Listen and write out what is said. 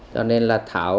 cho nên là tháo